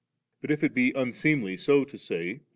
But if it be unseemly so to say.